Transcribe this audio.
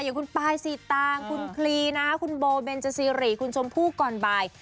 อย่างคุณปายสีตางคุณคลีนะคุณโบเบนเจซีรีสคุณชมพู่ก่อนบ่าย